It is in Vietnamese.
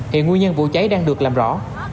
hiện nguyên nhân vụ cháy đang được làm rõ